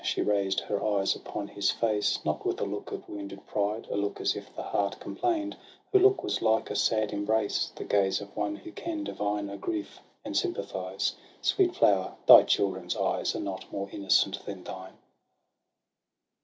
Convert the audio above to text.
She raised her eyes upon his face — Not with a look of wounded pride, A look as if the heart complain' d — Her look was like a sad embrace; The gaze of one who can divine A grief, and sympathise. Sweet flower ! thy children's eyes Are not more innocent than thine.